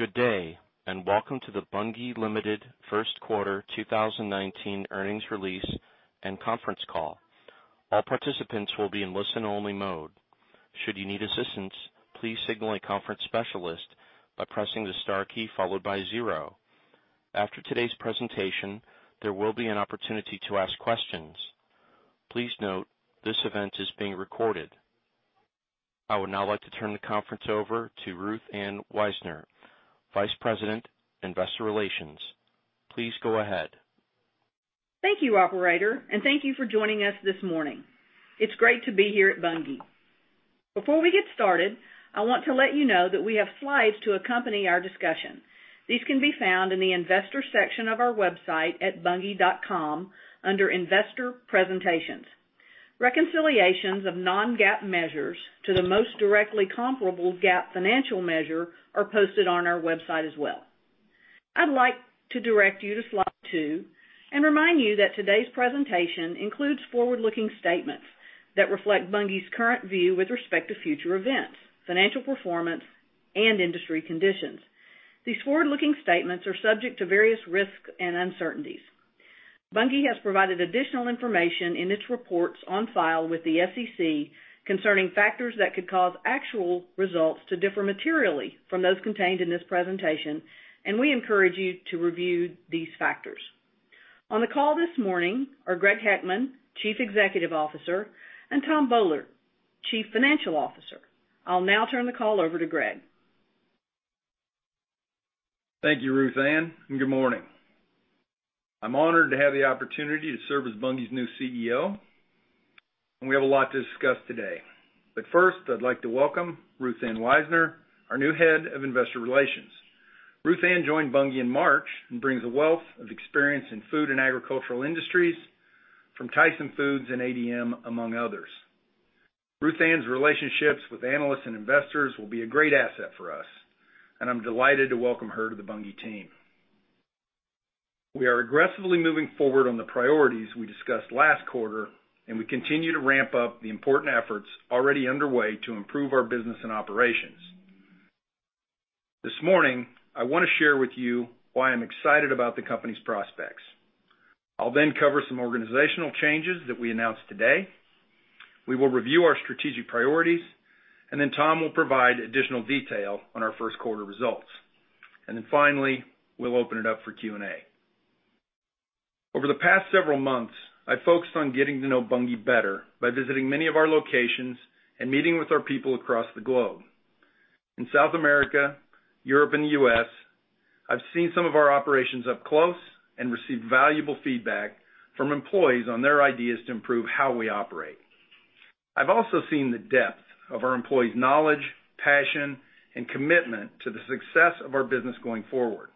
Good day, and welcome to the Bunge Limited First Quarter 2019 earnings release and conference call. All participants will be in listen-only mode. Should you need assistance, please signal a conference specialist by pressing the star key followed by zero. After today's presentation, there will be an opportunity to ask questions. Please note, this event is being recorded. I would now like to turn the conference over to Ruth Ann Wisener, Vice President, Investor Relations. Please go ahead. Thank you, operator, and thank you for joining us this morning. It's great to be here at Bunge. Before we get started, I want to let you know that we have slides to accompany our discussion. These can be found in the investor section of our website at bunge.com under Investor Presentations. Reconciliations of non-GAAP measures to the most directly comparable GAAP financial measure are posted on our website as well. I'd like to direct you to slide two and remind you that today's presentation includes forward-looking statements that reflect Bunge's current view with respect to future events, financial performance, and industry conditions. These forward-looking statements are subject to various risks and uncertainties. Bunge has provided additional information in its reports on file with the SEC concerning factors that could cause actual results to differ materially from those contained in this presentation, and we encourage you to review these factors. On the call this morning are Greg Heckman, Chief Executive Officer, and Thom Boehlert, Chief Financial Officer. I'll now turn the call over to Greg. Thank you, Ruth Ann, and good morning. I'm honored to have the opportunity to serve as Bunge's new CEO, and we have a lot to discuss today. First, I'd like to welcome Ruth Ann Wisener, our new head of investor relations. Ruth Ann joined Bunge in March and brings a wealth of experience in food and agricultural industries from Tyson Foods and ADM, among others. Ruth Ann's relationships with analysts and investors will be a great asset for us, and I'm delighted to welcome her to the Bunge team. We are aggressively moving forward on the priorities we discussed last quarter, and we continue to ramp up the important efforts already underway to improve our business and operations. This morning, I want to share with you why I'm excited about the company's prospects. I'll then cover some organizational changes that we announced today. We will review our strategic priorities. Thom will provide additional detail on our first quarter results. Finally, we'll open it up for Q&A. Over the past several months, I've focused on getting to know Bunge better by visiting many of our locations and meeting with our people across the globe. In South America, Europe, and the U.S., I've seen some of our operations up close and received valuable feedback from employees on their ideas to improve how we operate. I've also seen the depth of our employees' knowledge, passion, and commitment to the success of our business going forward.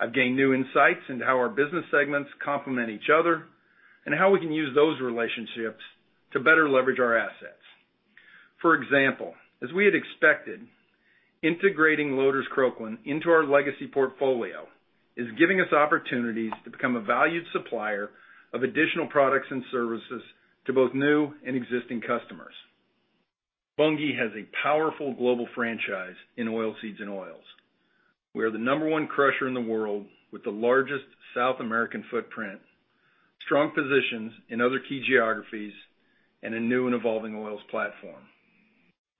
I've gained new insights into how our business segments complement each other and how we can use those relationships to better leverage our assets. For example, as we had expected, integrating Loders Croklaan into our legacy portfolio is giving us opportunities to become a valued supplier of additional products and services to both new and existing customers. Bunge has a powerful global franchise in oilseeds and oils. We are the number 1 crusher in the world with the largest South American footprint, strong positions in other key geographies, and a new and evolving oils platform.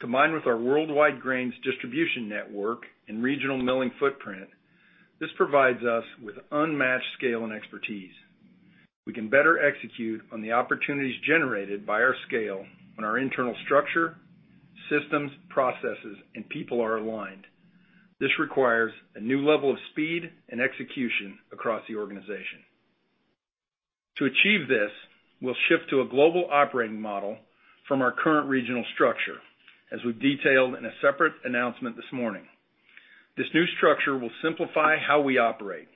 Combined with our worldwide grains distribution network and regional milling footprint, this provides us with unmatched scale and expertise. We can better execute on the opportunities generated by our scale when our internal structure, systems, processes, and people are aligned. This requires a new level of speed and execution across the organization. To achieve this, we'll shift to a global operating model from our current regional structure, as we've detailed in a separate announcement this morning. This new structure will simplify how we operate,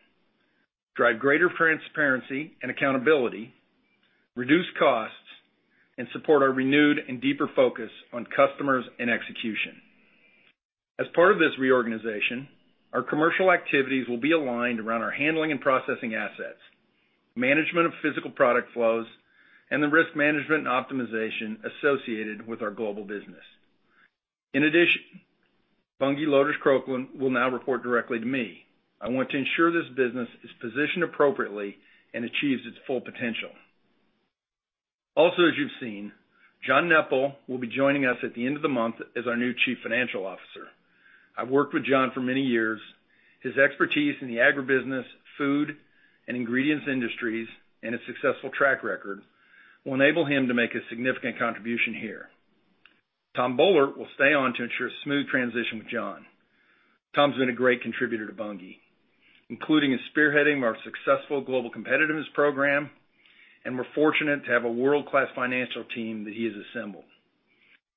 drive greater transparency and accountability, reduce costs, and support our renewed and deeper focus on customers and execution. In addition, Bunge Loders Croklaan will now report directly to me. I want to ensure this business is positioned appropriately and achieves its full potential. Also, as you've seen, John Neppl will be joining us at the end of the month as our new Chief Financial Officer. I've worked with John for many years. His expertise in the agribusiness, food, and ingredients industries, and his successful track record will enable him to make a significant contribution here. Thom Boehlert will stay on to ensure a smooth transition with John. Thom's been a great contributor to Bunge, including spearheading our successful Global Competitiveness Program. We're fortunate to have a world-class financial team that he has assembled.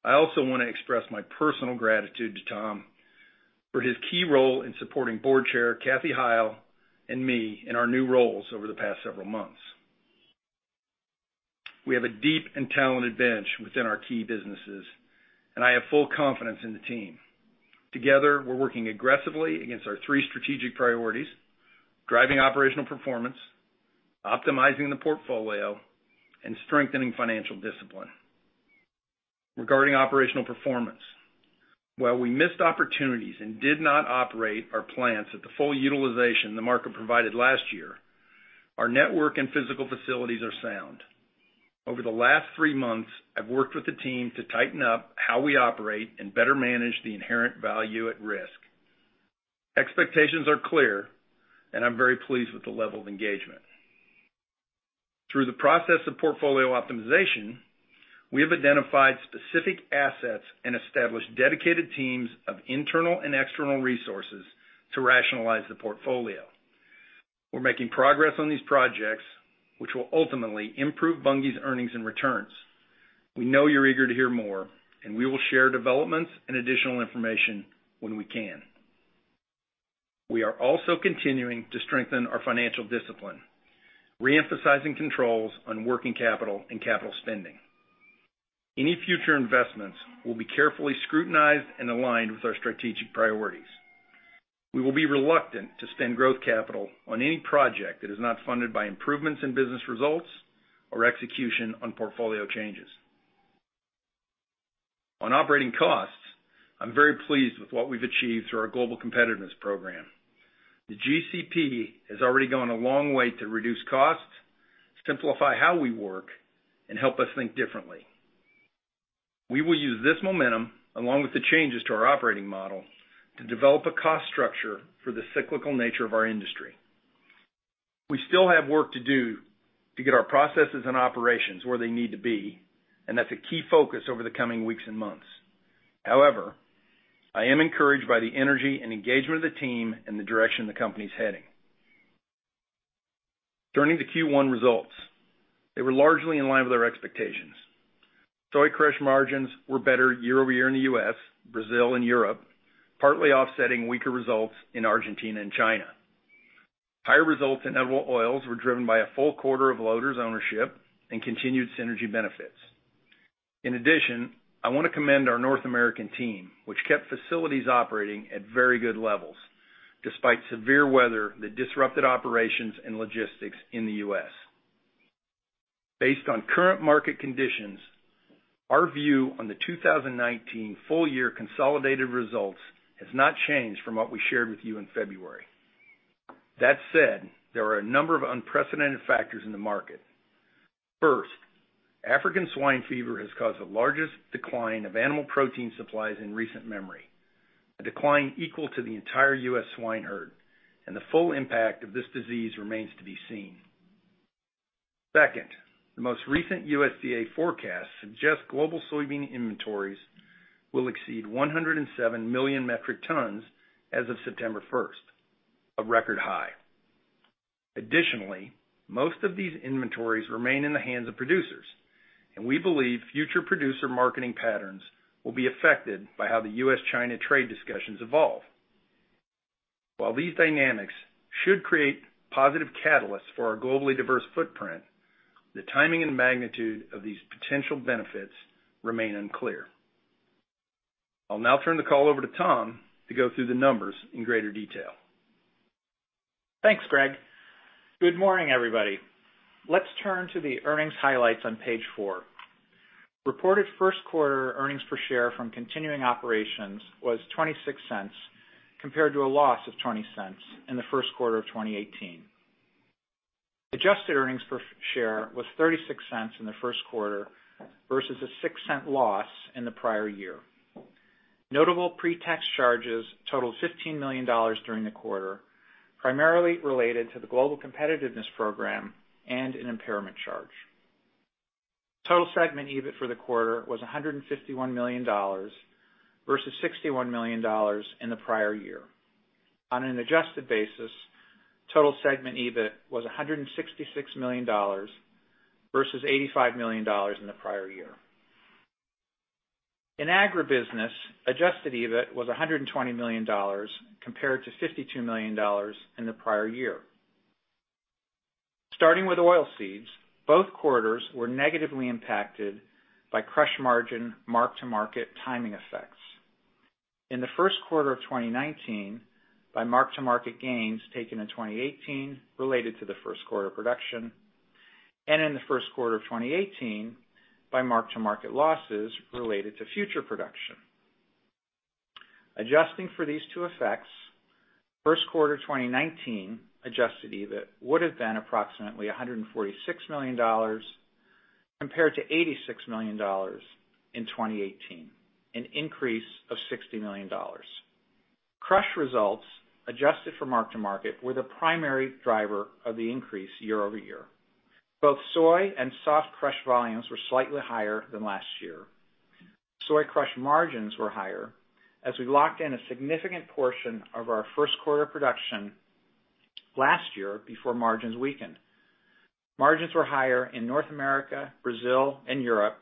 I also want to express my personal gratitude to Thom for his key role in supporting Board Chair Kathi Hyle and me in our new roles over the past several months. We have a deep and talented bench within our key businesses. I have full confidence in the team. Together, we're working aggressively against our three strategic priorities, driving operational performance, Optimizing the portfolio, and strengthening financial discipline. Regarding operational performance, while we missed opportunities and did not operate our plants at the full utilization the market provided last year, our network and physical facilities are sound. Over the last three months, I've worked with the team to tighten up how we operate and better manage the inherent value at risk. Expectations are clear. I'm very pleased with the level of engagement. Through the process of portfolio optimization, we have identified specific assets and established dedicated teams of internal and external resources to rationalize the portfolio. We are making progress on these projects, which will ultimately improve Bunge's earnings and returns. We know you are eager to hear more. We will share developments and additional information when we can. We are also continuing to strengthen our financial discipline, re-emphasizing controls on working capital and capital spending. Any future investments will be carefully scrutinized and aligned with our strategic priorities. We will be reluctant to spend growth capital on any project that is not funded by improvements in business results or execution on portfolio changes. On operating costs, I'm very pleased with what we have achieved through our Global Competitiveness Program. The GCP has already gone a long way to reduce costs, simplify how we work, and help us think differently. We will use this momentum, along with the changes to our operating model, to develop a cost structure for the cyclical nature of our industry. We still have work to do to get our processes and operations where they need to be. That is a key focus over the coming weeks and months. However, I am encouraged by the energy and engagement of the team and the direction the company is heading. Turning to Q1 results, they were largely in line with our expectations. Soy crush margins were better year-over-year in the U.S., Brazil, and Europe, partly offsetting weaker results in Argentina and China. Higher results in edible oils were driven by a full quarter of Loders' ownership and continued synergy benefits. In addition, I want to commend our North American team, which kept facilities operating at very good levels despite severe weather that disrupted operations and logistics in the U.S. Based on current market conditions, our view on the 2019 full year consolidated results has not changed from what we shared with you in February. That said, there are a number of unprecedented factors in the market. First, African swine fever has caused the largest decline of animal protein supplies in recent memory, a decline equal to the entire U.S. swine herd. The full impact of this disease remains to be seen. Second, the most recent USDA forecast suggests global soybean inventories will exceed 107 million metric tons as of September 1st, a record high. Additionally, most of these inventories remain in the hands of producers. We believe future producer marketing patterns will be affected by how the U.S.-China trade discussions evolve. While these dynamics should create positive catalysts for our globally diverse footprint, the timing and magnitude of these potential benefits remain unclear. I will now turn the call over to Thom to go through the numbers in greater detail. Thanks, Greg. Good morning, everybody. Let's turn to the earnings highlights on page four. Reported first quarter earnings per share from continuing operations was $0.26 compared to a loss of $0.20 in the first quarter of 2018. Adjusted earnings per share was $0.36 in the first quarter versus a $0.06 loss in the prior year. Notable pre-tax charges totaled $15 million during the quarter, primarily related to the Global Competitiveness Program and an impairment charge. Total segment EBIT for the quarter was $151 million versus $61 million in the prior year. On an adjusted basis, total segment EBIT was $166 million versus $85 million in the prior year. In Agribusiness, adjusted EBIT was $120 million compared to $52 million in the prior year. Starting with Oilseeds, both corridors were negatively impacted by crush margin mark-to-market timing effects. In the first quarter of 2019, by mark-to-market gains taken in 2018 related to the first quarter production, and in the first quarter of 2018, by mark-to-market losses related to future production. Adjusting for these two effects, first quarter 2019 adjusted EBIT would have been approximately $146 million compared to $86 million in 2018, an increase of $60 million. Crush results adjusted for mark-to-market were the primary driver of the increase year-over-year. Both soy and soft crush volumes were slightly higher than last year. Soy crush margins were higher as we locked in a significant portion of our first quarter production last year before margins weakened. Margins were higher in North America, Brazil, and Europe,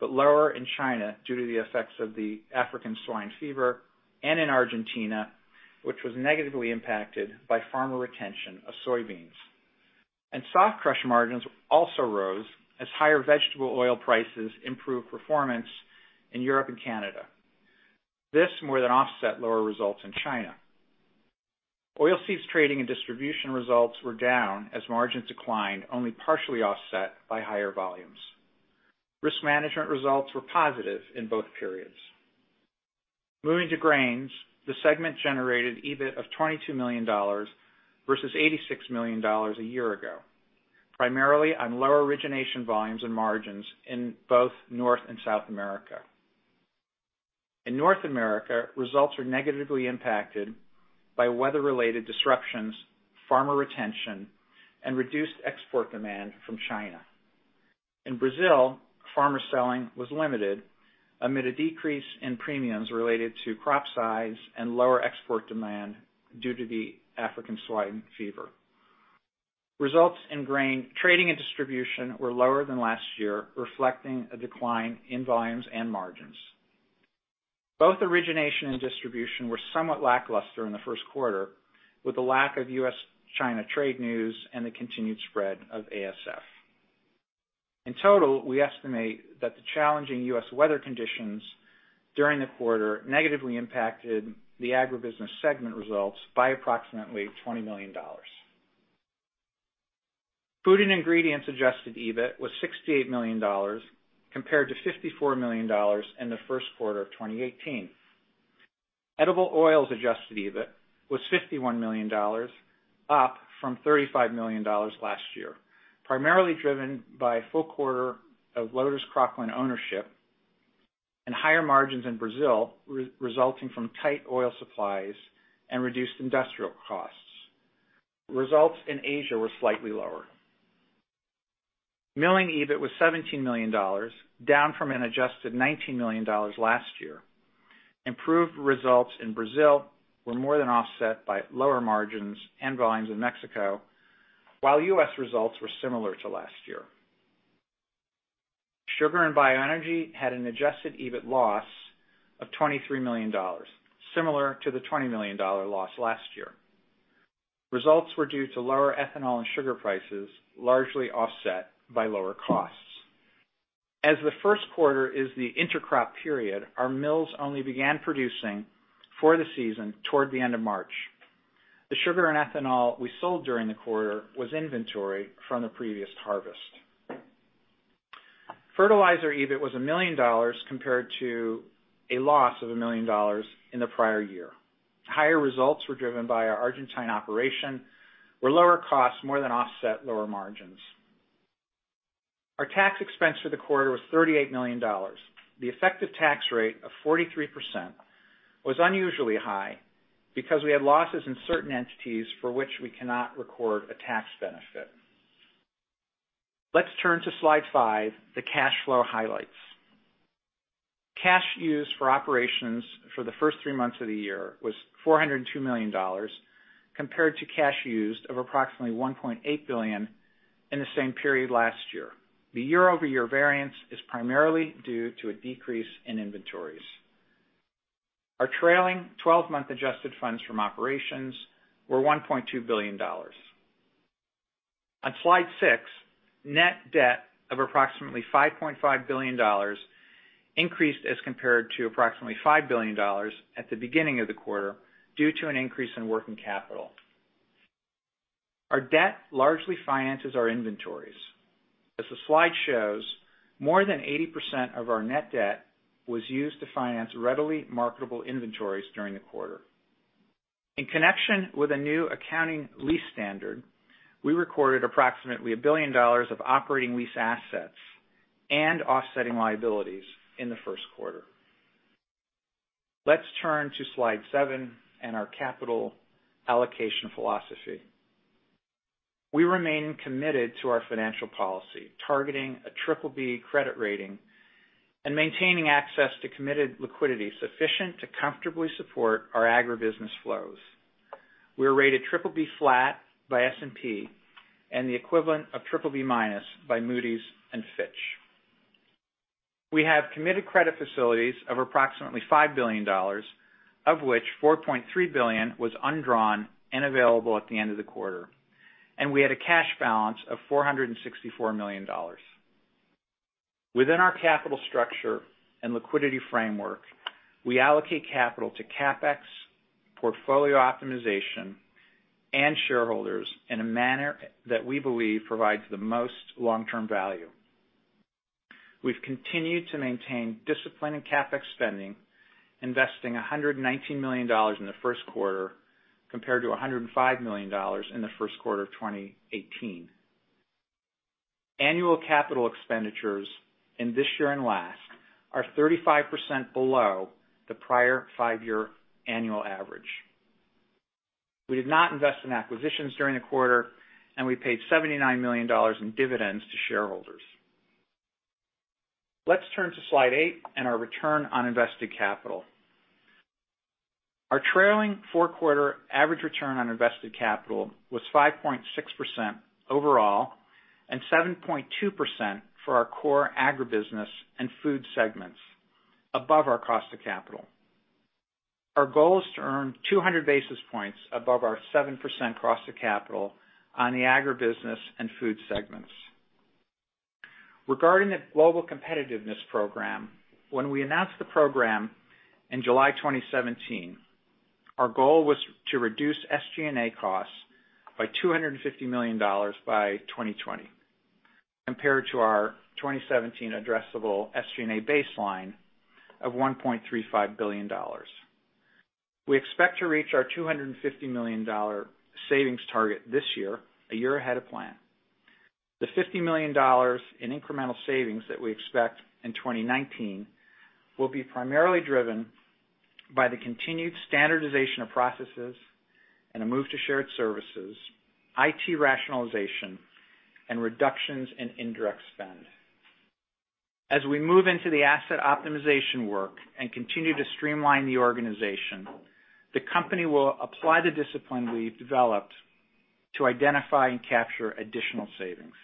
but lower in China due to the effects of the African swine fever and in Argentina, which was negatively impacted by farmer retention of soybeans. Soft crush margins also rose as higher vegetable oil prices improved performance in Europe and Canada. This more than offset lower results in China. Oilseeds trading and distribution results were down as margins declined, only partially offset by higher volumes. Risk management results were positive in both periods. Moving to Grains, the segment generated EBIT of $22 million versus $86 million a year ago, primarily on lower origination volumes and margins in both North and South America. In North America, results were negatively impacted by weather-related disruptions, farmer retention, and reduced export demand from China. In Brazil, farmer selling was limited amid a decrease in premiums related to crop size and lower export demand due to the African swine fever. Results in grain trading and distribution were lower than last year, reflecting a decline in volumes and margins. Both origination and distribution were somewhat lackluster in the first quarter, with a lack of U.S.-China trade news and the continued spread of ASF. In total, we estimate that the challenging U.S. weather conditions during the quarter negatively impacted the Agribusiness segment results by approximately $20 million. Food & Ingredients adjusted EBIT was $68 million compared to $54 million in the first quarter of 2018. Edible Oils adjusted EBIT was $51 million, up from $35 million last year, primarily driven by a full quarter of Loders Croklaan ownership and higher margins in Brazil, resulting from tight oil supplies and reduced industrial costs. Results in Asia were slightly lower. Milling EBIT was $17 million, down from an adjusted $19 million last year. Improved results in Brazil were more than offset by lower margins and volumes in Mexico, while U.S. results were similar to last year. Sugar and Bioenergy had an adjusted EBIT loss of $23 million, similar to the $20 million loss last year. Results were due to lower ethanol and sugar prices, largely offset by lower costs. As the first quarter is the intercrop period, our mills only began producing for the season toward the end of March. The sugar and ethanol we sold during the quarter was inventory from the previous harvest. Fertilizer EBIT was $1 million compared to a loss of $1 million in the prior year. Higher results were driven by our Argentine operation, where lower costs more than offset lower margins. Our tax expense for the quarter was $38 million. The effective tax rate of 43% was unusually high because we had losses in certain entities for which we cannot record a tax benefit. Let's turn to slide five, the cash flow highlights. Cash used for operations for the first three months of the year was $402 million, compared to cash used of approximately $1.8 billion in the same period last year. The year-over-year variance is primarily due to a decrease in inventories. Our trailing 12-month adjusted funds from operations were $1.2 billion. On slide six, net debt of approximately $5.5 billion increased as compared to approximately $5 billion at the beginning of the quarter due to an increase in working capital. Our debt largely finances our inventories. As the slide shows, more than 80% of our net debt was used to finance readily marketable inventories during the quarter. In connection with a new accounting lease standard, we recorded approximately $1 billion of operating lease assets and offsetting liabilities in the first quarter. Let's turn to slide seven and our capital allocation philosophy. We remain committed to our financial policy, targeting a BBB credit rating and maintaining access to committed liquidity sufficient to comfortably support our agribusiness flows. We are rated BBB flat by S&P and the equivalent of BBB minus by Moody's and Fitch. We have committed credit facilities of approximately $5 billion, of which $4.3 billion was undrawn and available at the end of the quarter, and we had a cash balance of $464 million. Within our capital structure and liquidity framework, we allocate capital to CapEx, portfolio optimization, and shareholders in a manner that we believe provides the most long-term value. We've continued to maintain disciplined CapEx spending, investing $119 million in the first quarter, compared to $105 million in the first quarter of 2018. Annual capital expenditures in this year and last are 35% below the prior five-year annual average. We did not invest in acquisitions during the quarter, and we paid $79 million in dividends to shareholders. Let's turn to slide eight and our return on invested capital. Our trailing four-quarter average return on invested capital was 5.6% overall and 7.2% for our core agribusiness and food segments above our cost of capital. Our goal is to earn 200 basis points above our 7% cost of capital on the agribusiness and food segments. Regarding the Global Competitiveness Program, when we announced the program in July 2017, our goal was to reduce SG&A costs by $250 million by 2020 compared to our 2017 addressable SG&A baseline of $1.35 billion. We expect to reach our $250 million savings target this year, a year ahead of plan. The $50 million in incremental savings that we expect in 2019 will be primarily driven by the continued standardization of processes and a move to shared services, IT rationalization, and reductions in indirect spend. As we move into the asset optimization work and continue to streamline the organization, the company will apply the discipline we've developed to identify and capture additional savings.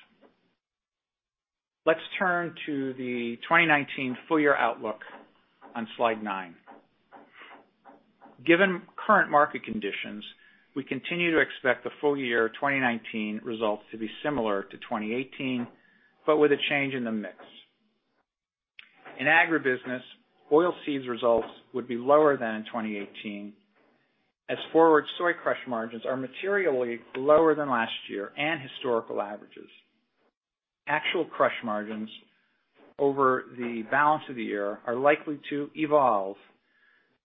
Let's turn to the 2019 full-year outlook on slide nine. Given current market conditions, we continue to expect the full-year 2019 results to be similar to 2018, but with a change in the mix. In agribusiness, oilseeds results would be lower than in 2018, as forward soy crush margins are materially lower than last year and historical averages. Actual crush margins over the balance of the year are likely to evolve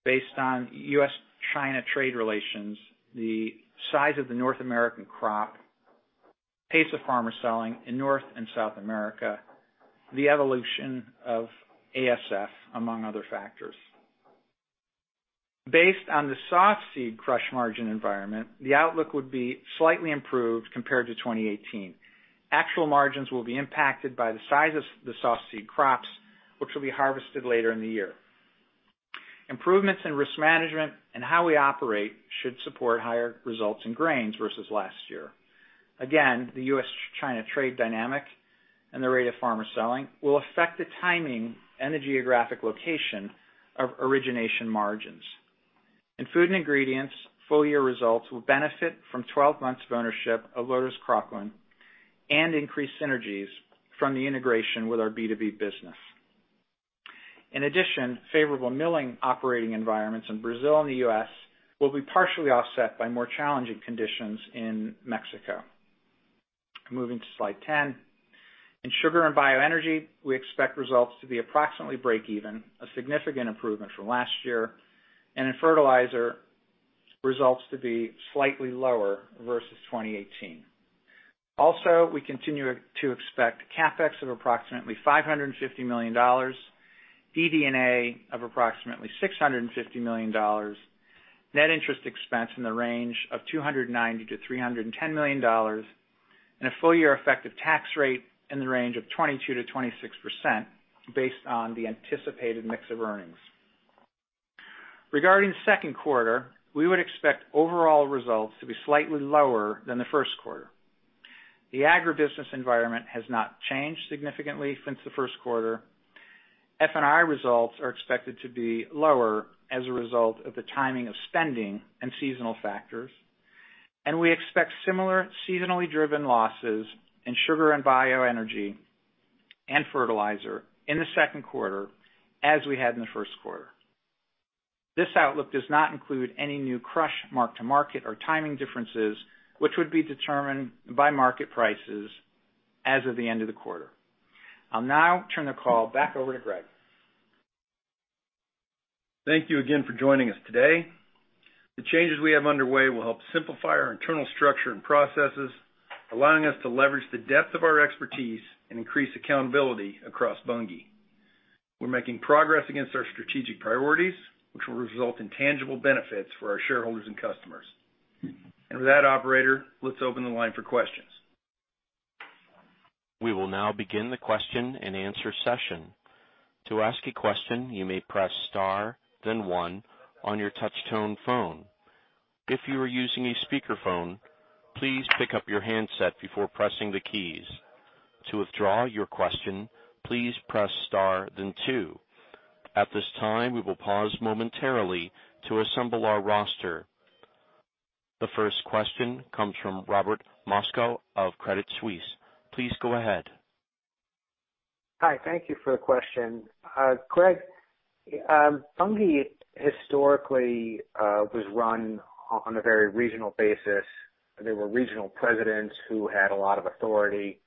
based on U.S.-China trade relations, the size of the North American crop, pace of farmer selling in North and South America, the evolution of ASF, among other factors. Based on the softseed crush margin environment, the outlook would be slightly improved compared to 2018. Actual margins will be impacted by the size of the softseed crops, which will be harvested later in the year. Improvements in risk management and how we operate should support higher results in grains versus last year. The U.S.-China trade dynamic and the rate of farmer selling will affect the timing and the geographic location of origination margins. In Food & Ingredients, full-year results will benefit from 12 months of ownership of Loders Croklaan and increased synergies from the integration with our B2B business. Favorable milling operating environments in Brazil and the U.S. will be partially offset by more challenging conditions in Mexico. Moving to slide 10. In sugar and bioenergy, we expect results to be approximately break even, a significant improvement from last year, and in fertilizer, results to be slightly lower versus 2018. We continue to expect CapEx of approximately $550 million, DD&A of approximately $650 million, net interest expense in the range of $290 million-$310 million, and a full-year effective tax rate in the range of 22%-26% based on the anticipated mix of earnings. Regarding second quarter, we would expect overall results to be slightly lower than the first quarter. The agribusiness environment has not changed significantly since the first quarter. F&I results are expected to be lower as a result of the timing of spending and seasonal factors, and we expect similar seasonally driven losses in sugar and bioenergy and fertilizer in the second quarter as we had in the first quarter. This outlook does not include any new crush mark-to-market or timing differences, which would be determined by market prices as of the end of the quarter. I'll now turn the call back over to Greg. Thank you again for joining us today. The changes we have underway will help simplify our internal structure and processes, allowing us to leverage the depth of our expertise and increase accountability across Bunge. We're making progress against our strategic priorities, which will result in tangible benefits for our shareholders and customers. With that, operator, let's open the line for questions. We will now begin the question and answer session. To ask a question, you may press star, then one on your touch tone phone. If you are using a speakerphone, please pick up your handset before pressing the keys. To withdraw your question, please press star, then two. At this time, we will pause momentarily to assemble our roster. The first question comes from Robert Moskow of Credit Suisse. Please go ahead. Hi. Thank you for the question. Greg, Bunge historically was run on a very regional basis. There were regional presidents who had a lot of authority,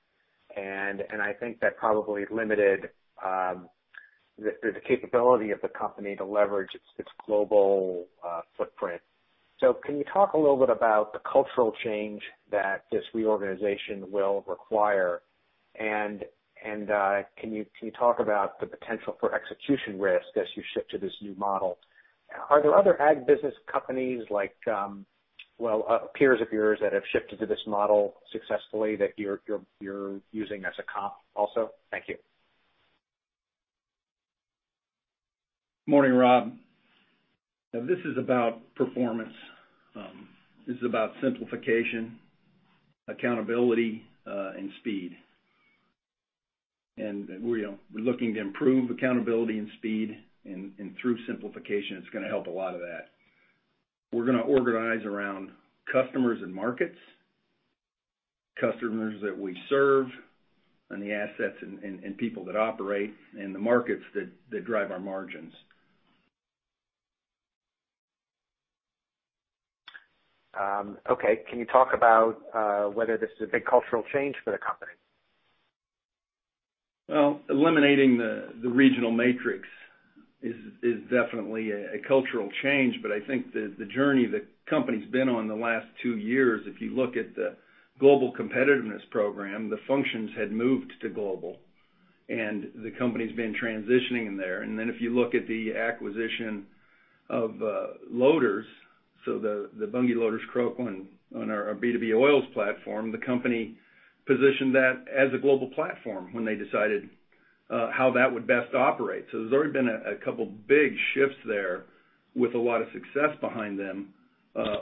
I think that probably limited the capability of the company to leverage its global footprint. Can you talk a little bit about the cultural change that this reorganization will require? Can you talk about the potential for execution risk as you shift to this new model? Are there other ag business companies like, well, peers of yours that have shifted to this model successfully that you're using as a comp also? Thank you. Morning, Rob. This is about performance. This is about simplification, accountability, and speed. We're looking to improve accountability and speed, and through simplification, it's going to help a lot of that. We're going to organize around customers and markets, customers that we serve, and the assets and people that operate in the markets that drive our margins. Okay. Can you talk about whether this is a big cultural change for the company? Well, eliminating the regional matrix is definitely a cultural change, I think that the journey the company's been on the last two years, if you look at the Global Competitiveness Program, the functions had moved to global, the company's been transitioning there. Then if you look at the acquisition of Loders, the Bunge Loders Croklaan on our B2B oils platform, the company positioned that as a global platform when they decided how that would best operate. There's already been a couple big shifts there with a lot of success behind them,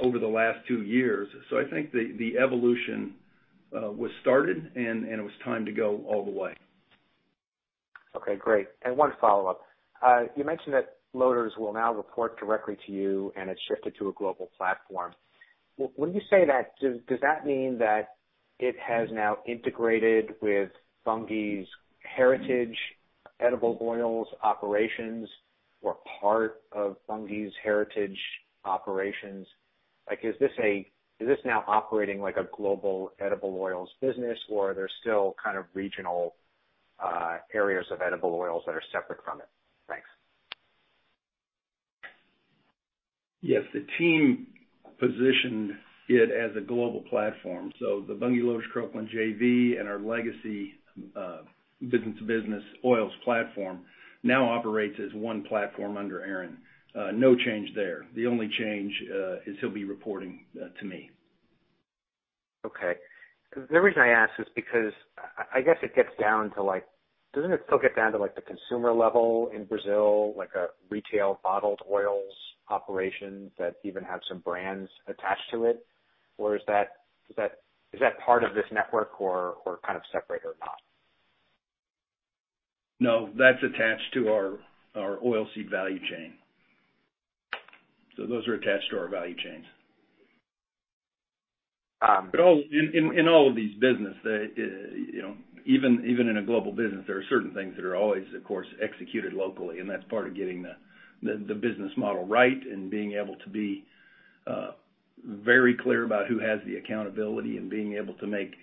over the last two years. I think the evolution was started, it was time to go all the way. Okay, great. One follow-up. You mentioned that Loders will now report directly to you, it's shifted to a global platform. When you say that, does that mean that it has now integrated with Bunge's heritage edible oils operations or part of Bunge's heritage operations? Is this now operating like a global edible oils business, or are there still kind of regional areas of edible oils that are separate from it? Thanks. Yes, the team positioned it as a global platform, the Bunge Loders Croklaan JV and our legacy business-to-business oils platform now operates as one platform under Aaron. No change there. The only change is he'll be reporting to me. Okay. The reason I ask is because I guess it gets down to, doesn't it still get down to the consumer level in Brazil, like a retail bottled oils operation that even have some brands attached to it? Is that part of this network or kind of separate or not? No, that's attached to our oil seed value chain. Those are attached to our value chains. Um- In all of these business, even in a global business, there are certain things that are always, of course, executed locally, and that's part of getting the business model right and being able to be very clear about who has the accountability and being able to make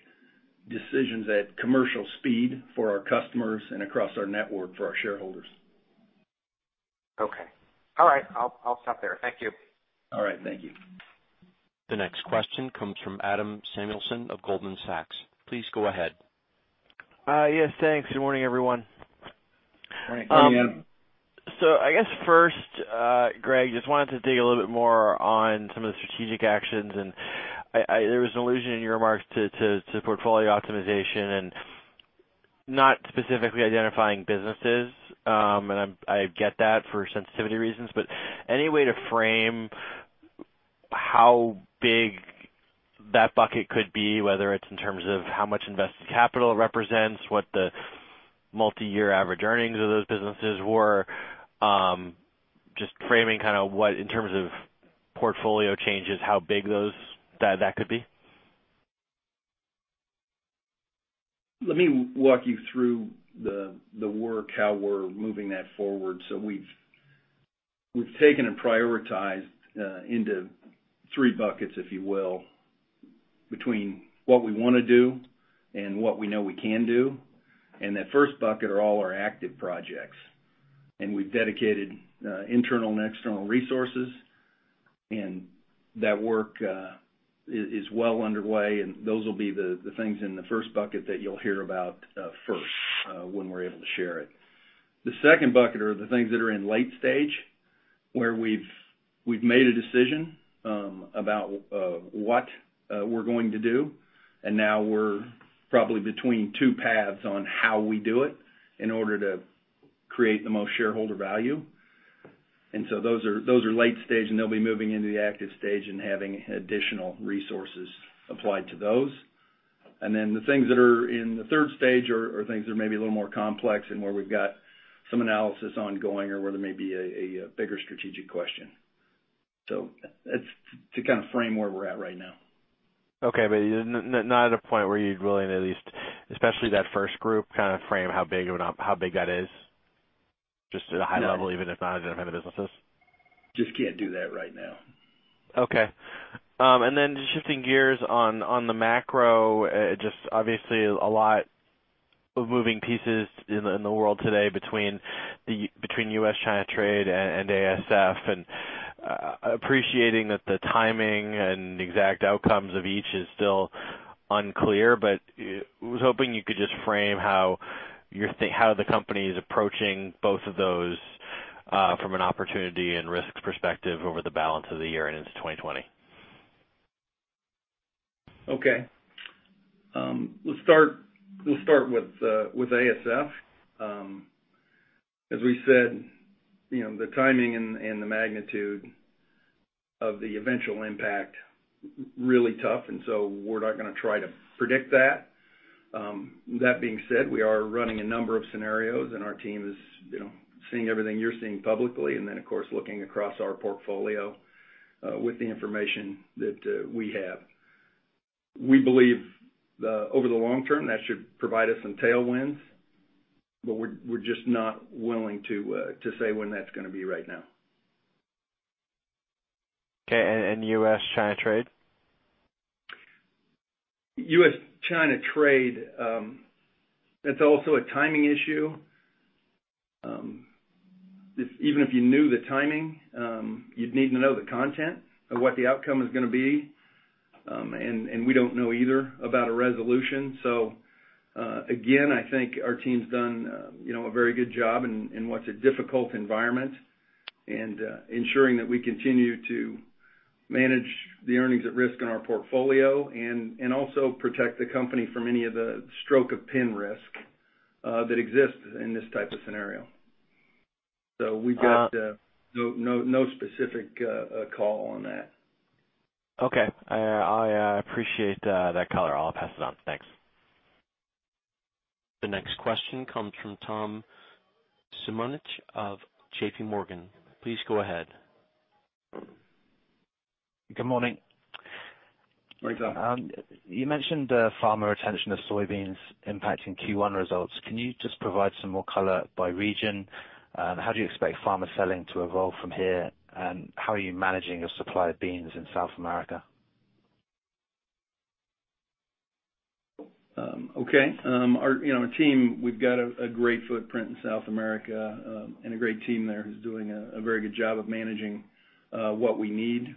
decisions at commercial speed for our customers and across our network for our shareholders. Okay. All right. I'll stop there. Thank you. All right. Thank you. The next question comes from Adam Samuelson of Goldman Sachs. Please go ahead. Yes, thanks. Good morning, everyone. Morning, Adam. I guess first, Greg, just wanted to dig a little bit more on some of the strategic actions, and there was an allusion in your remarks to portfolio optimization and not specifically identifying businesses, and I get that for sensitivity reasons, but any way to frame how big that bucket could be, whether it's in terms of how much invested capital it represents, what the multi-year average earnings of those businesses were, just framing kind of what, in terms of portfolio changes, how big that could be? Let me walk you through the work, how we're moving that forward. We've taken and prioritized into three buckets, if you will, between what we want to do and what we know we can do. That first bucket are all our active projects. We've dedicated internal and external resources, and that work is well underway, and those will be the things in the first bucket that you'll hear about first, when we're able to share it. The second bucket are the things that are in late stage, where we've made a decision about what we're going to do, and now we're probably between two paths on how we do it in order to create the most shareholder value. Those are late stage, and they'll be moving into the active stage and having additional resources applied to those. The things that are in the third stage are things that are maybe a little more complex and where we've got some analysis ongoing or where there may be a bigger strategic question. It's to kind of frame where we're at right now. Okay, not at a point where you'd willing to at least, especially that first group, kind of frame how big that is? Just at a high level? No even if not identifying the businesses? Just can't do that right now. Okay. Just shifting gears on the macro, just obviously a lot of moving pieces in the world today between U.S.-China trade and ASF, appreciating that the timing and exact outcomes of each is still unclear, but was hoping you could just frame how the company is approaching both of those, from an opportunity and risk perspective over the balance of the year and into 2020. Okay. We'll start with ASF. As we said, the timing and the magnitude of the eventual impact, really tough. So we're not going to try to predict that. That being said, we are running a number of scenarios and our team is seeing everything you're seeing publicly, then, of course, looking across our portfolio with the information that we have. We believe over the long term, that should provide us some tailwinds, but we're just not willing to say when that's going to be right now. Okay, U.S.-China trade? U.S.-China trade. That's also a timing issue. Even if you knew the timing, you'd need to know the content of what the outcome is going to be. We don't know either about a resolution. Again, I think our team's done a very good job in what's a difficult environment and ensuring that we continue to manage the earnings at risk in our portfolio and also protect the company from any of the stroke-of-pen risk that exists in this type of scenario. We've got no specific call on that. Okay. I appreciate that color. I'll pass it on. Thanks. The next question comes from Tom Simonitsch of JPMorgan. Please go ahead. Good morning. Morning, Tom. You mentioned farmer retention of soybeans impacting Q1 results. Can you just provide some more color by region? How do you expect farmer selling to evolve from here, and how are you managing your supply of beans in South America? Okay. Our team, we've got a great footprint in South America and a great team there who's doing a very good job of managing what we need.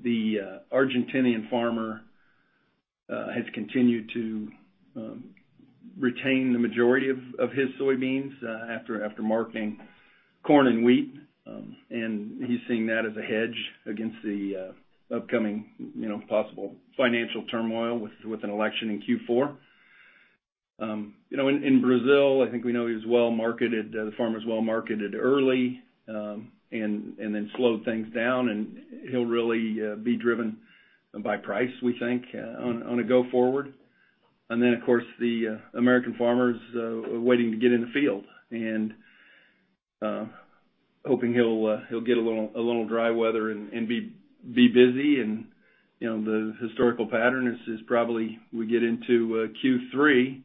The Argentinian farmer has continued to retain the majority of his soybeans after marketing corn and wheat. He's seeing that as a hedge against the upcoming possible financial turmoil with an election in Q4. In Brazil, I think we know he's well-marketed, the farmer's well-marketed early, and then slowed things down, and he'll really be driven by price, we think, on a go forward. Of course, the American farmer's waiting to get in the field and hoping he'll get a little dry weather and be busy. The historical pattern is probably we get into Q3,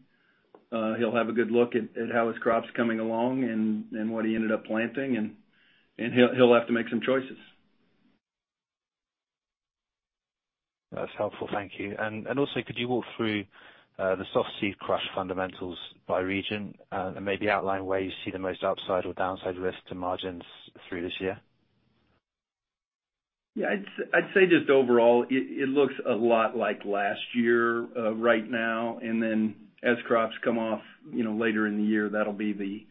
he'll have a good look at how his crop's coming along and what he ended up planting, and he'll have to make some choices. That's helpful. Thank you. Also, could you walk through the softseed crush fundamentals by region, and maybe outline where you see the most upside or downside risk to margins through this year? Yeah, I'd say just overall, it looks a lot like last year right now. Then as crops come off later in the year, that'll be the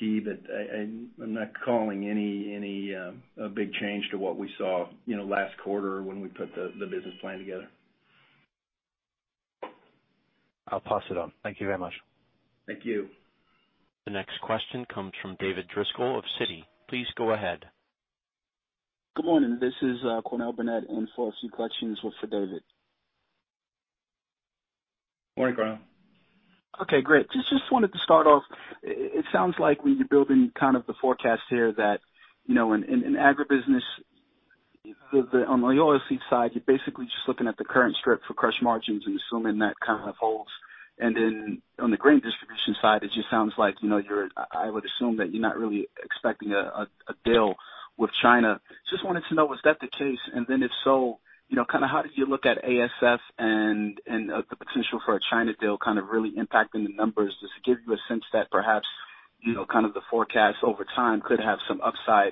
key that I'm not calling any big change to what we saw last quarter when we put the business plan together. I'll pass it on. Thank you very much. Thank you. The next question comes from David Driscoll of Citi. Please go ahead. Good morning, this is Cornell Burnette in for Citi. Questions for David. Morning, Cornell. Okay, great. Just wanted to start off, it sounds like when you're building kind of the forecast here that in agribusiness, on the oil seed side, you're basically just looking at the current strip for crush margins and assuming that kind of holds. On the grain distribution side, it just sounds like you're, I would assume that you're not really expecting a deal with China. Just wanted to know, was that the case? If so, how did you look at ASF and the potential for a China deal kind of really impacting the numbers? Does it give you a sense that perhaps, kind of the forecast over time could have some upside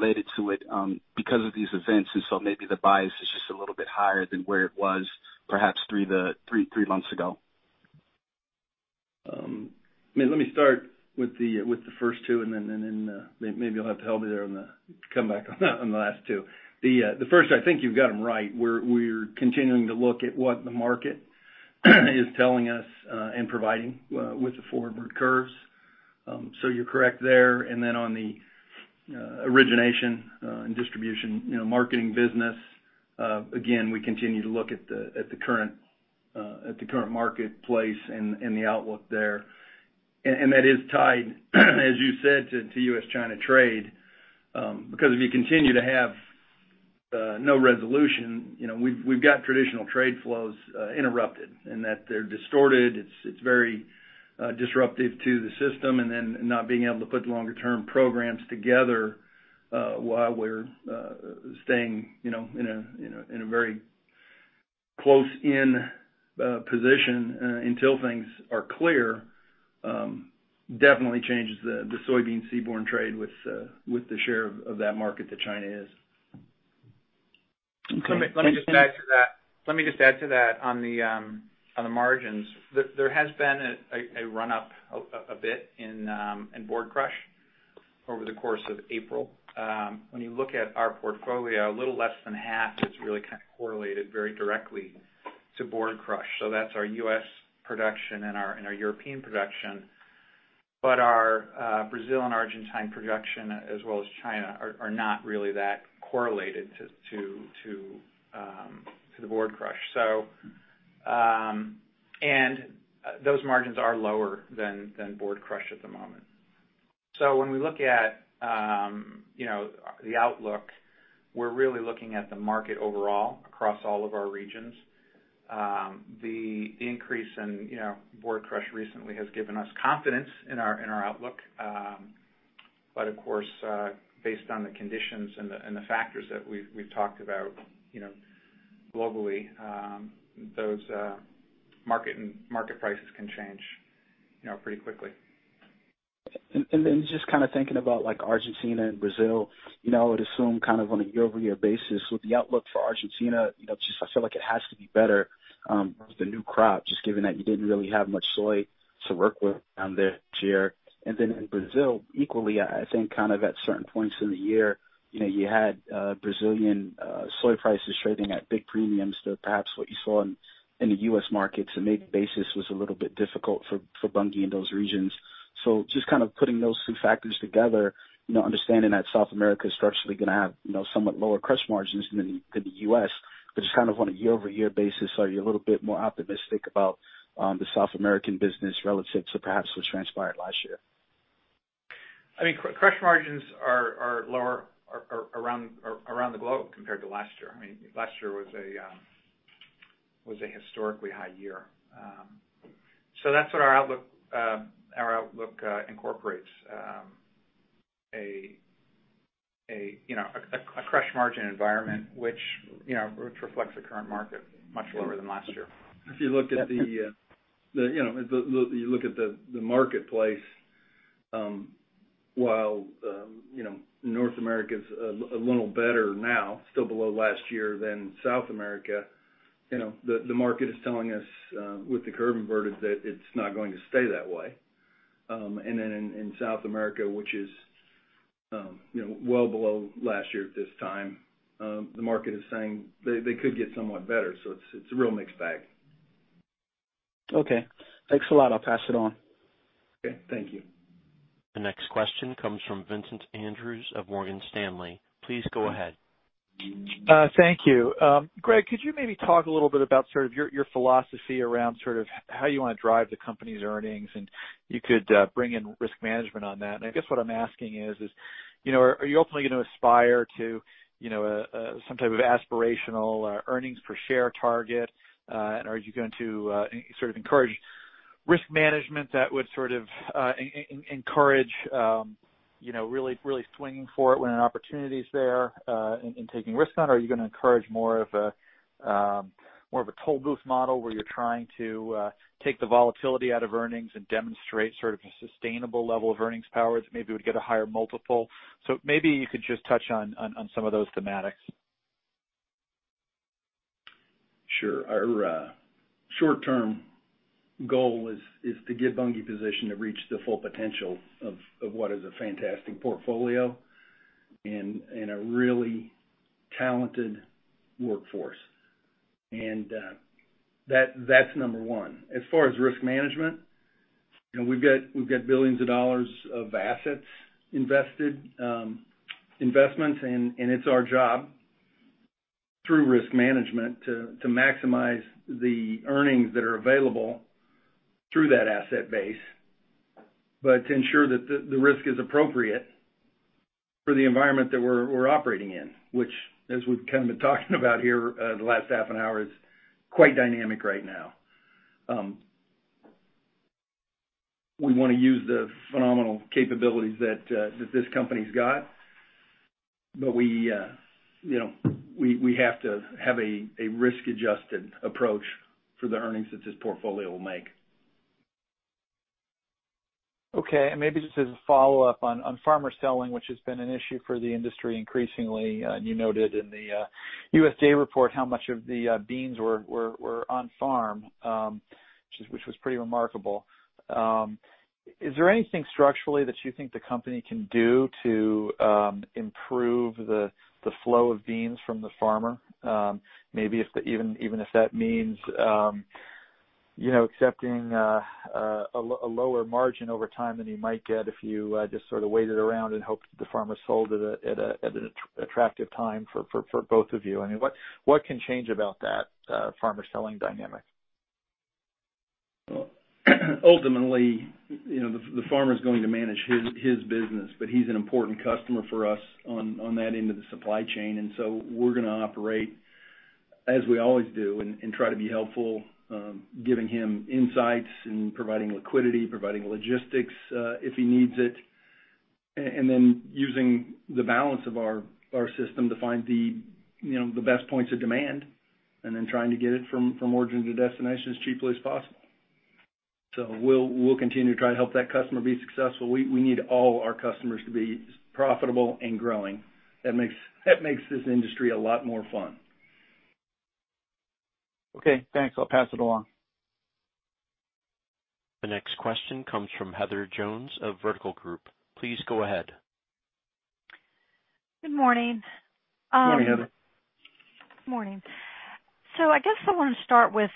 related to it because of these events? Maybe the bias is just a little bit higher than where it was perhaps three months ago. Let me start with the first two, then maybe you'll have to help me there on the comeback on the last two. The first, I think you've got them right. We're continuing to look at what the market is telling us and providing with the forward curves. You're correct there. On the origination and distribution marketing business, again, we continue to look at the current marketplace and the outlook there. That is tied, as you said, to U.S.-China trade. If you continue to have no resolution, we've got traditional trade flows interrupted in that they're distorted. It's very disruptive to the system. Not being able to put longer term programs together while we're staying in a very close in position until things are clear definitely changes the soybean seaborne trade with the share of that market that China is. Okay. Let me just add to that. On the margins, there has been a run up a bit in board crush over the course of April. When you look at our portfolio, a little less than half is really kind of correlated very directly to board crush. That's our U.S. production and our European production. Our Brazil and Argentine production, as well as China, are not really that correlated to the board crush. Those margins are lower than board crush at the moment. When we look at the outlook, we're really looking at the market overall across all of our regions. The increase in board crush recently has given us confidence in our outlook. Of course, based on the conditions and the factors that we've talked about globally, those market prices can change pretty quickly. Just kind of thinking about Argentina and Brazil, I would assume kind of on a year-over-year basis with the outlook for Argentina, just I feel like it has to be better with the new crop, just given that you didn't really have much soy to work with this year. In Brazil, equally, I think kind of at certain points in the year, you had Brazilian soy prices trading at big premiums to perhaps what you saw in the U.S. markets, and maybe basis was a little bit difficult for Bunge in those regions. Just kind of putting those two factors together, understanding that South America is structurally going to have somewhat lower crush margins than the U.S., but just kind of on a year-over-year basis, are you a little bit more optimistic about the South American business relative to perhaps what transpired last year? I mean, crush margins are lower around the globe compared to last year. I mean, last year was a historically high year. That's what our outlook incorporates, a crush margin environment which reflects the current market much lower than last year. If you look at the marketplace, while North America is a little better now, still below last year than South America, the market is telling us with the curve inverted that it's not going to stay that way. In South America, which is well below last year at this time, the market is saying they could get somewhat better. It's a real mixed bag. Okay. Thanks a lot. I'll pass it on. Okay. Thank you. The next question comes from Vincent Andrews of Morgan Stanley. Please go ahead. Thank you. Greg, could you maybe talk a little bit about sort of your philosophy around sort of how you want to drive the company's earnings, and you could bring in risk management on that. I guess what I'm asking is, are you ultimately going to aspire to some type of aspirational earnings per share target? Are you going to sort of encourage risk management that would sort of encourage really swinging for it when an opportunity is there and taking risks on it? Are you going to encourage more of a toll booth model where you're trying to take the volatility out of earnings and demonstrate sort of a sustainable level of earnings power that maybe would get a higher multiple? Maybe you could just touch on some of those thematics. Sure. Our short-term goal is to get Bunge positioned to reach the full potential of what is a fantastic portfolio and a really talented workforce. That's number one. As far as risk management, we've got billions of dollars of assets invested, investments, and it's our job through risk management to maximize the earnings that are available through that asset base, but to ensure that the risk is appropriate for the environment that we're operating in, which as we've kind of been talking about here the last half an hour, is quite dynamic right now. We want to use the phenomenal capabilities that this company's got, but we have to have a risk-adjusted approach for the earnings that this portfolio will make. Okay. Maybe just as a follow-up on farmer selling, which has been an issue for the industry increasingly, you noted in the USDA report how much of the beans were on farm, which was pretty remarkable. Is there anything structurally that you think the company can do to improve the flow of beans from the farmer? Maybe even if that means accepting a lower margin over time than you might get if you just sort of waited around and hoped that the farmer sold at an attractive time for both of you. I mean, what can change about that farmer selling dynamic? Ultimately, the farmer's going to manage his business, but he's an important customer for us on that end of the supply chain. We're going to operate as we always do and try to be helpful, giving him insights and providing liquidity, providing logistics if he needs it, and then using the balance of our system to find the best points of demand, and then trying to get it from origin to destination as cheaply as possible. We'll continue to try to help that customer be successful. We need all our customers to be profitable and growing. That makes this industry a lot more fun. Okay, thanks. I'll pass it along. The next question comes from Heather Jones of Vertical Group. Please go ahead. Good morning. Good morning, Heather. Good morning. I guess I want to start with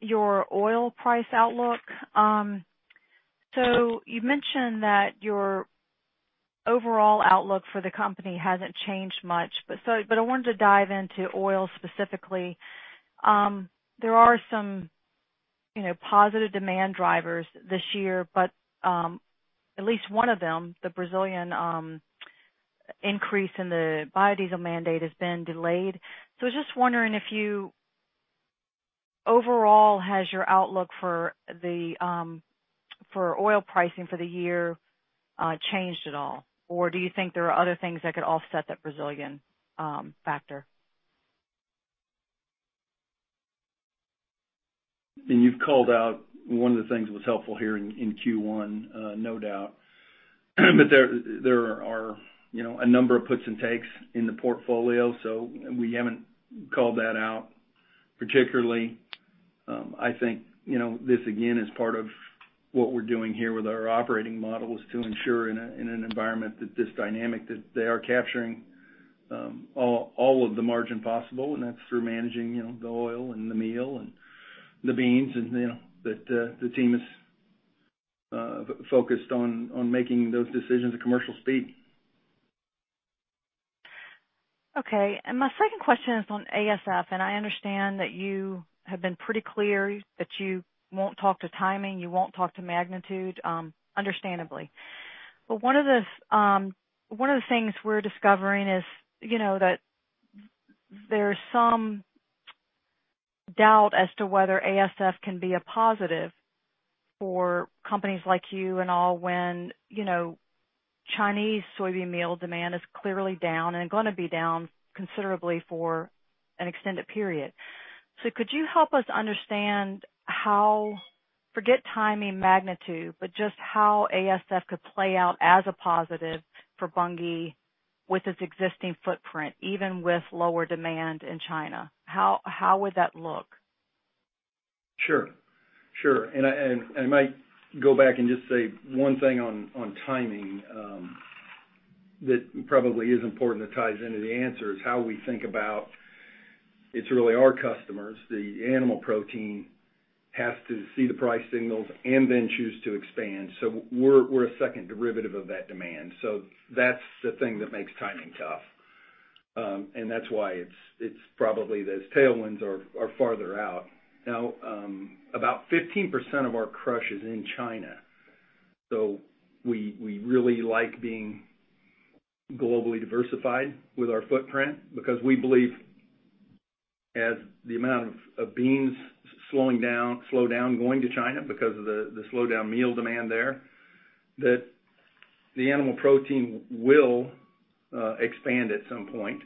your oil price outlook. You mentioned that your overall outlook for the company hasn't changed much, but I wanted to dive into oil specifically. There are some positive demand drivers this year, but at least one of them, the Brazilian increase in the biodiesel mandate, has been delayed. I was just wondering if overall, has your outlook for oil pricing for the year changed at all? Or do you think there are other things that could offset that Brazilian factor? You've called out one of the things that was helpful here in Q1, no doubt. There are a number of puts and takes in the portfolio, so we haven't called that out particularly. I think this, again, is part of what we're doing here with our operating model is to ensure in an environment that's this dynamic, that they are capturing all of the margin possible, and that's through managing the oil and the meal and the beans and that the team is focused on making those decisions at commercial speed. Okay. My second question is on ASF, and I understand that you have been pretty clear that you won't talk to timing, you won't talk to magnitude, understandably. One of the things we're discovering is that there's some doubt as to whether ASF can be a positive for companies like you and all when Chinese soybean meal demand is clearly down and going to be down considerably for an extended period. Could you help us understand how, forget timing magnitude, but just how ASF could play out as a positive for Bunge with its existing footprint, even with lower demand in China? How would that look? Sure. I might go back and just say one thing on timing that probably is important that ties into the answer, is how we think about it's really our customers. The animal protein has to see the price signals and then choose to expand. We're a second derivative of that demand. That's the thing that makes timing tough. That's why it's probably those tailwinds are farther out. Now, about 15% of our crush is in China. We really like being globally diversified with our footprint because we believe as the amount of beans slow down going to China because of the slowdown meal demand there, that the animal protein will expand at some point,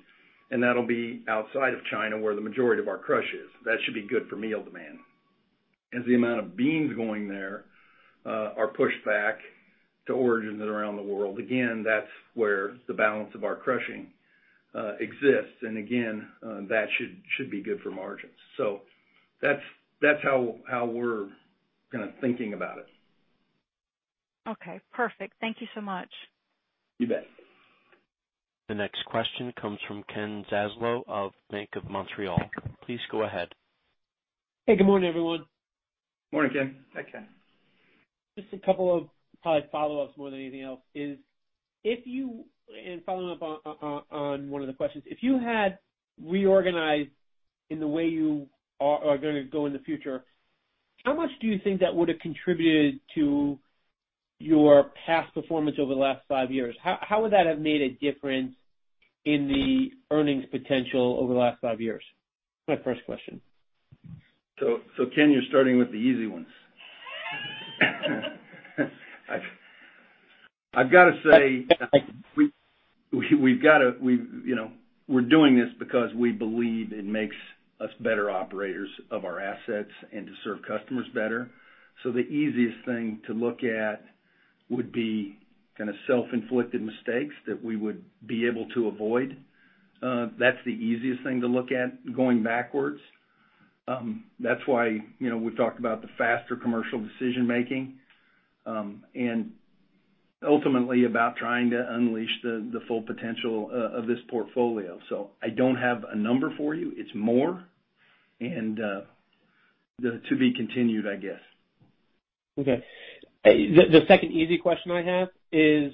and that'll be outside of China where the majority of our crush is. That should be good for meal demand. As the amount of beans going there are pushed back to origins around the world, again, that's where the balance of our crushing exists. Again, that should be good for margins. That's how we're thinking about it. Okay, perfect. Thank you so much. You bet. The next question comes from Ken Zaslow of Bank of Montreal. Please go ahead. Hey, good morning, everyone. Morning, Ken. Hi, Ken. Just a couple of probably follow-ups more than anything else is. Following up on one of the questions, if you had reorganized in the way you are going to go in the future, how much do you think that would have contributed to your past performance over the last five years? How would that have made a difference in the earnings potential over the last five years? That's my first question. Ken, you're starting with the easy ones. I've got to say we're doing this because we believe it makes us better operators of our assets and to serve customers better. The easiest thing to look at would be self-inflicted mistakes that we would be able to avoid. That's the easiest thing to look at going backwards. That's why we've talked about the faster commercial decision making, and ultimately about trying to unleash the full potential of this portfolio. I don't have a number for you. It's more, and to be continued, I guess. Okay. The second easy question I have is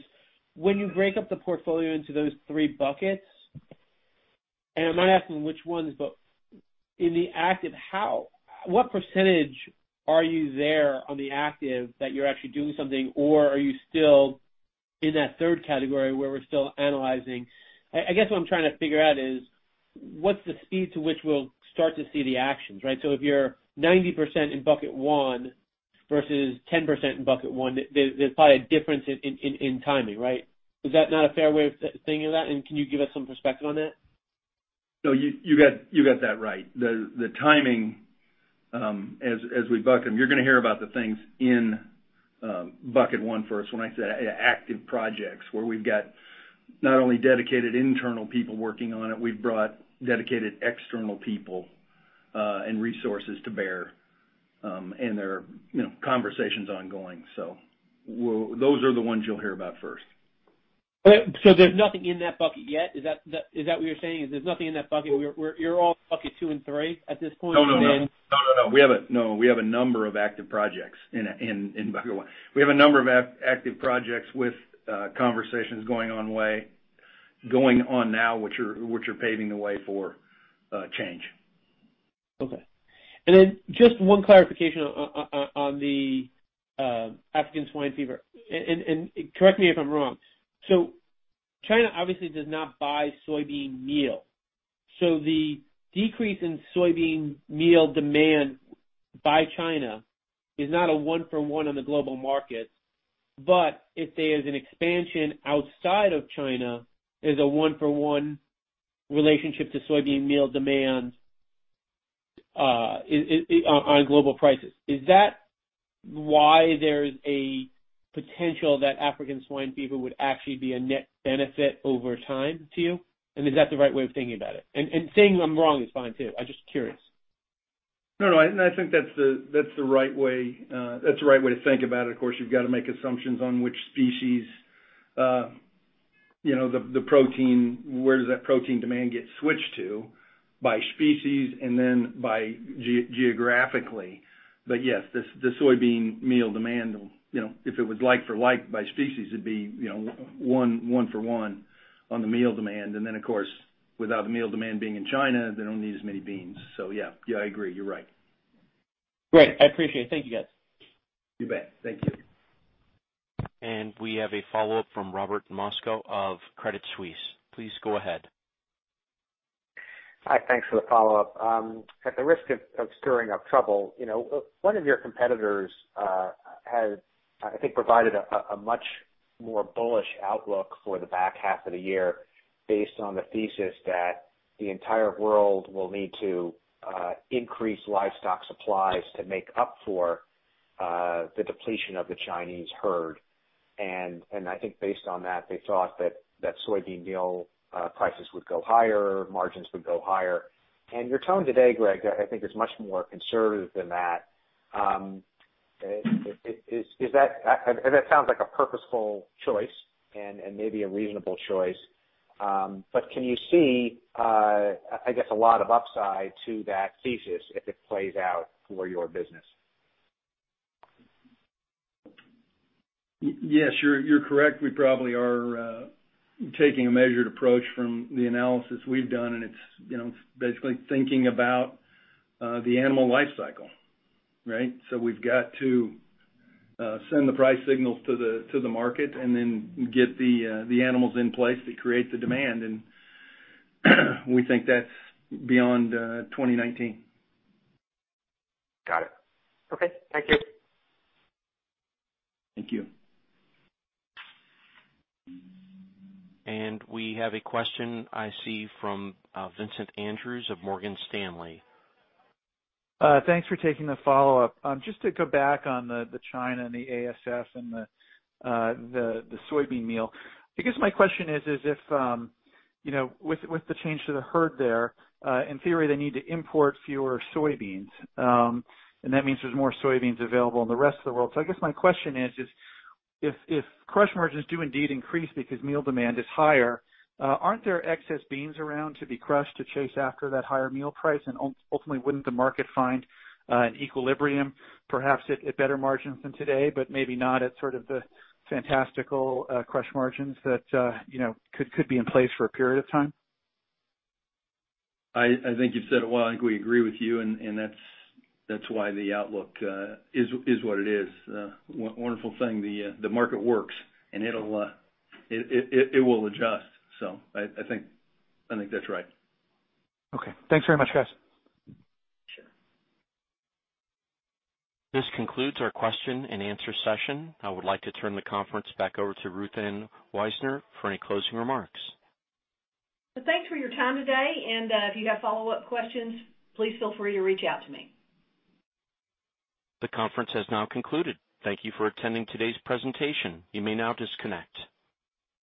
when you break up the portfolio into those 3 buckets, and I'm not asking which ones, but in the active, what % are you there on the active that you're actually doing something, or are you still in that 3rd category where we're still analyzing? I guess what I'm trying to figure out is what's the speed to which we'll start to see the actions, right? If you're 90% in bucket 1 versus 10% in bucket 1, there's probably a difference in timing, right? Is that not a fair way of thinking of that? Can you give us some perspective on that? You got that right. The timing as we buck them, you're going to hear about the things in bucket 1 first. When I say active projects, where we've got not only dedicated internal people working on it, we've brought dedicated external people and resources to bear. And there are conversations ongoing. Those are the ones you'll hear about first. There's nothing in that bucket yet? Is that what you're saying? There's nothing in that bucket. You're all bucket two and three at this point? No, we have a number of active projects in bucket one. We have a number of active projects with conversations going on now, which are paving the way for change. Okay. Just one clarification on the African swine fever. Correct me if I'm wrong. China obviously does not buy soybean meal. The decrease in soybean meal demand by China is not a one for one on the global market. If there's an expansion outside of China, there's a one for one relationship to soybean meal demand on global prices. Is that why there's a potential that African swine fever would actually be a net benefit over time to you? Is that the right way of thinking about it? Saying I'm wrong is fine, too. I'm just curious. No, I think that's the right way to think about it. Of course, you've got to make assumptions on which species, the protein, where does that protein demand get switched to by species and then by geographically. Yes, the soybean meal demand, if it was like for like by species, it'd be one for one on the meal demand. Of course, without the meal demand being in China, they don't need as many beans. Yeah. I agree. You're right. Great. I appreciate it. Thank you, guys. You bet. Thank you. We have a follow-up from Robert Moskow of Credit Suisse. Please go ahead. Hi. Thanks for the follow-up. At the risk of stirring up trouble, one of your competitors has, I think, provided a much more bullish outlook for the back half of the year based on the thesis that the entire world will need to increase livestock supplies to make up for the depletion of the Chinese herd. I think based on that, they thought that soybean meal prices would go higher, margins would go higher. Your tone today, Greg, I think is much more conservative than that. That sounds like a purposeful choice and maybe a reasonable choice, but can you see, I guess, a lot of upside to that thesis if it plays out for your business? Yes, you're correct. We probably are taking a measured approach from the analysis we've done. It's basically thinking about the animal life cycle, right? We've got to send the price signals to the market and then get the animals in place that create the demand. We think that's beyond 2019. Got it. Okay. Thank you. Thank you. We have a question I see from Vincent Andrews of Morgan Stanley. Thanks for taking the follow-up. Just to go back on the China and the ASF and the soybean meal. I guess my question is if with the change to the herd there, in theory, they need to import fewer soybeans. That means there's more soybeans available in the rest of the world. I guess my question is, if crush margins do indeed increase because meal demand is higher, aren't there excess beans around to be crushed to chase after that higher meal price? Ultimately, wouldn't the market find an equilibrium, perhaps at better margins than today, but maybe not at sort of the fantastical crush margins that could be in place for a period of time? I think you've said it well, and I think we agree with you, and that's why the outlook is what it is. Wonderful thing, the market works, and it will adjust. I think that's right. Okay. Thanks very much, guys. Sure. This concludes our question and answer session. I would like to turn the conference back over to Ruth Ann Wisener for any closing remarks. Thanks for your time today. If you have follow-up questions, please feel free to reach out to me. The conference has now concluded. Thank you for attending today's presentation. You may now disconnect.